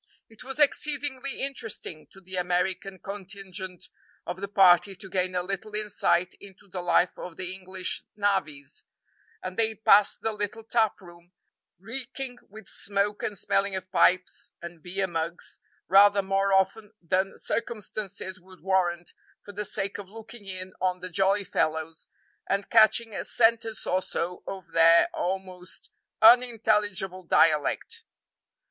It was exceedingly interesting to the American contingent of the party to gain a little insight into the life of the English "navvies;" and they passed the little tap room, reeking with smoke and smelling of pipes and beer mugs, rather more often than circumstances would warrant, for the sake of looking in on the jolly fellows, and catching a sentence or so of their almost unintelligible dialect.